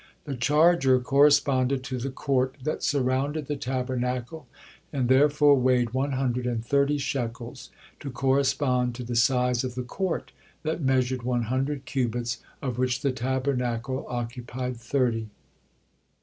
The charger corresponded to the court that surrounded the Tabernacle, and therefore weighed one hundred and thirty shekels, to correspond to the size of the court that measured one hundred cubits, of which the Tabernacle occupied thirty.